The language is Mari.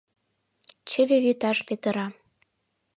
Чыве вӱташ петыра.